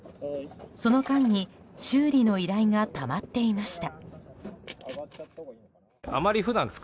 その間に修理の依頼がたまっていました。